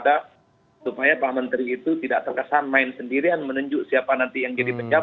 tapi lebih kepada supaya pak menteri itu tidak terkesan main sendirian menunjuk siapa nanti yang akan menang